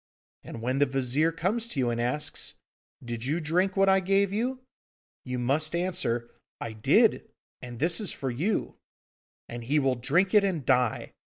And when the Vizir comes to you and asks, "Did you drink what I gave you?" you must answer, "I did, and this is for you," and he will drink it and die!